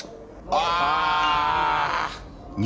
ああ！